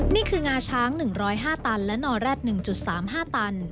นี่คืองาช้าง๑๐๕ตันและนอแร็ด๑๓๕ตัน